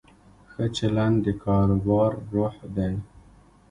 ښه چلند د کاروبار روح دی.